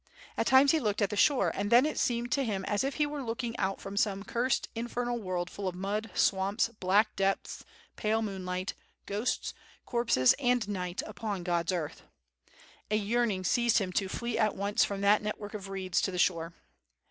At times he looked at the shore and then it seemed to him as if he were looking out from some cursed, infernal world full of mud, swamps, black depths, pale moon* light, ghostb, corpses and night upon God's earth. A yearn ing seized him to flee at once from that network of reeds to the shore.